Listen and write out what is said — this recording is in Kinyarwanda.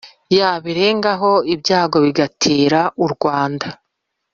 yabirengaho ibyago bigatera u rwanda